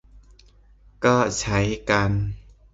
ก็ใช้กัน